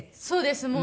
そうです。